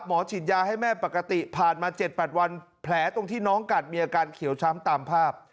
ฉีดยาให้แม่ปกติผ่านมา๗๘วันแผลตรงที่น้องกัดมีอาการเขียวช้ำตามภาพ